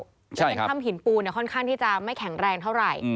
เป็นถ้ำหินปูค่อนข้างที่จะไม่แข็งแรงเท่าไหร่